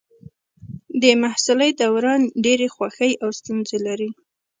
د محصلۍ دوران ډېرې خوښۍ او ستونزې لري.